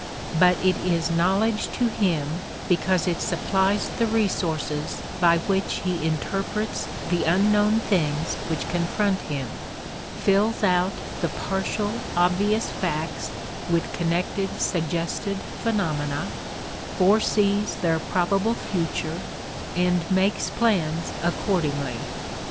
But it is knowledge to him because it supplies the resources by which he interprets the unknown things which confront him, fills out the partial obvious facts with connected suggested phenomena, foresees their probable future, and makes plans accordingly.